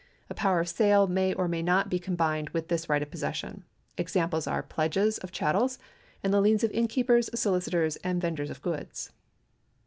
A power of sale may or may not be combined with this right of possession. Examples are pledges of chattels, and the liens of innkeepers, solicitors, and vendors of goods.